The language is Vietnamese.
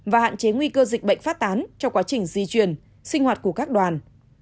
và hạn chế nguy cơ dịch bệnh phát tán trong quá trình di chuyển sinh hoạt của các đoàn